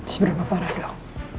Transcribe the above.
seberapa parah dok